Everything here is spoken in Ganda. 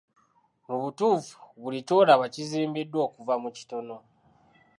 Mu butuufu buli ky'olaba kizimbiddwa okuva mu kitono